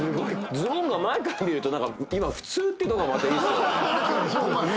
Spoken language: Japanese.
ズボンが前から見ると今普通ってのがまたいいですね。